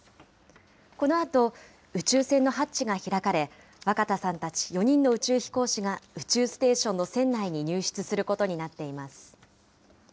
このあと宇宙船のハッチが開かれ、若田さんたち４人の宇宙飛行士が宇宙ステーションの船内に入室することになっています。